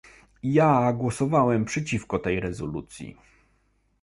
Ja głosowałem przeciwko tej rezolucji